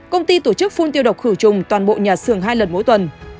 công ty tổ chức phun tiêu độc khử trùng toàn bộ nhà xưởng hai lần mỗi tuần